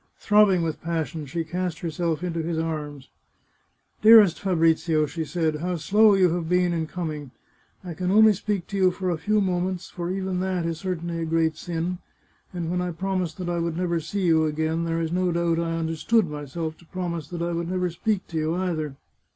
Throbbing with passion, she cast herself into his arms. " Dearest Fabrizio," she said, " how slow you have been in coming ! I can only speak to you for a few moments, for even that is certainly a great sin, and when I promised that I would never see you again, there is no doubt I understood myself to promise that I would never speak to you either.